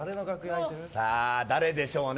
さあ、誰でしょうね。